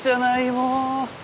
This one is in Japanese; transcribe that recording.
もう。